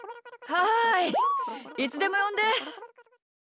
はいいつでもよんで。